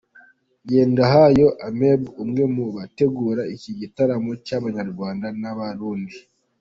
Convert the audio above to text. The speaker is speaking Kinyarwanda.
Ngendahayo Aimable; umwe mu bategura iki gitaramo cy'Abanyarwanda n'Abarundi.